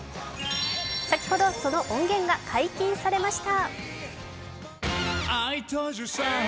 先ほど、その音源が解禁されました。